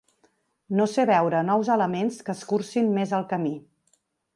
No sé veure nous elements que escurcin més el camí.